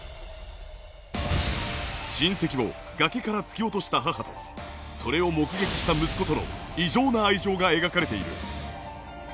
親戚を崖から突き落とした母とそれを目撃した息子との異常な愛情が描かれている。